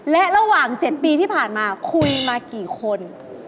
และระหว่าง๗ปีที่ผ่านมาคุยมากี่คน